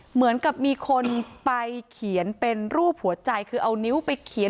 เหมือนกับมีคนไปเขียนเป็นรูปหัวใจคือเอานิ้วไปเขียน